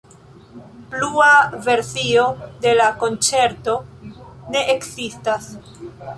Plua versio de la konĉerto ne ekzistas.